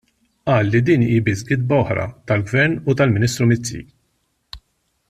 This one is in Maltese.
Qal li din hi biss gidba oħra tal-Gvern u tal-Ministru Mizzi.